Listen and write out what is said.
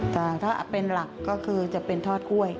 แต่ถ้าเป็นหลักก็คือจะเป็นทอดกล้วย